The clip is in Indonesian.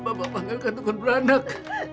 bapak panggil kandungan beranak